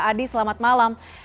adi selamat malam